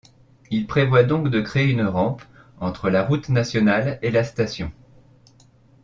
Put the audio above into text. Il prévoit donc de créer une rampe entre la route nationale et la station.